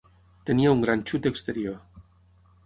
Tenia un gran xut exterior.